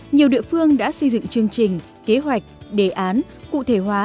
nhiều địa phương đã xây dựng chương trình kế hoạch đề án cụ thể hóa